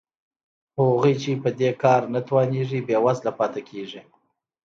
خو هغوی چې په دې کار نه توانېږي بېوزله پاتې کېږي